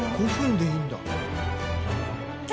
５分でいいんだ。